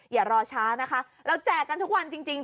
อย่ารอช้านะคะเราแจกกันทุกวันจริง